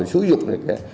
số dục này